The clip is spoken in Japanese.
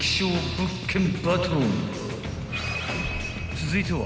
［続いては］